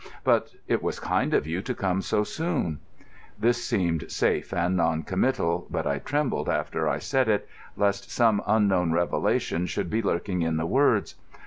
"But it was kind of you to come so soon." This seemed safe and non committal, but I trembled after I said it, lest some unknown revelation should be lurking in the words.